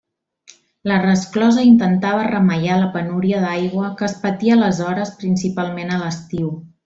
La resclosa intentava remeiar la penúria d'aigua que es patia aleshores, principalment a l'estiu.